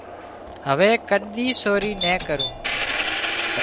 هوي ڪۮي سوري نين ڪرون